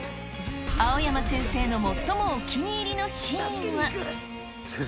青山先生の最もお気に入りのシーンは。